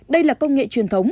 đây là công nghệ truyền thống